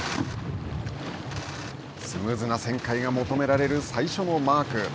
スムーズな旋回が求められる最初のマーク。